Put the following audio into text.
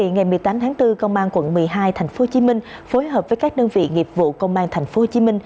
ngày một mươi tám tháng bốn công an quận một mươi hai tp hcm phối hợp với các đơn vị nghiệp vụ công an tp hcm